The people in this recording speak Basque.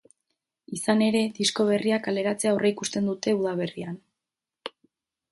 Izan ere, disko berria kaleratzea aurreikusten dute, udaberrian.